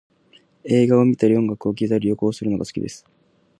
映画を観たり音楽を聴いたり、旅行をするのが好きです